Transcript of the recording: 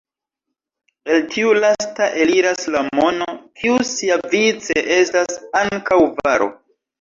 El tiu lasta eliras la mono, kiu siavice estas ankaŭ varo.